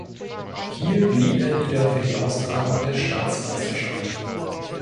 Hier blieb er wieder für die Austragung der Staatsmeisterschaft.